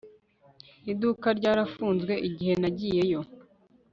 Iduka ryarafunzwe igihe nagiyeyo